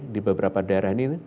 di beberapa daerah ini